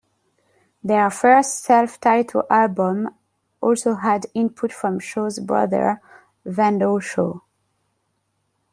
Their first self-titled album also had input from Shaw's brother Wendall Shaw.